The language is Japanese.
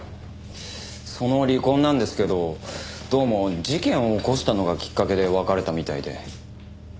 その離婚なんですけどどうも事件を起こしたのがきっかけで別れたみたいで。